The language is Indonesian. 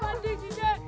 kalo kita di padat